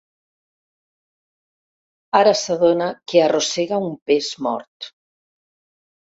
Ara s'adona que arrossega un pes mort.